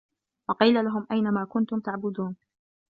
وَقيلَ لَهُم أَينَ ما كُنتُم تَعبُدونَ